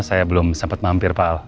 saya belum sempat mampir pak al